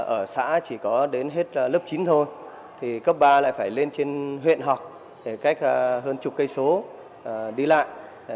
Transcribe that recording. ở xã chỉ có đến hết lớp chín thôi thì cấp ba lại phải lên trên huyện học để cách hơn chục cây số đi lại